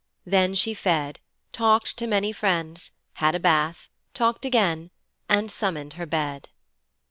Then she fed, talked to many friends, had a bath, talked again, and summoned her bed.